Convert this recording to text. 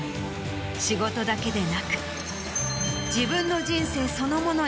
仕事だけでなく。